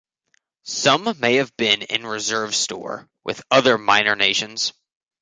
Some may have been in reserve store with other minor nations.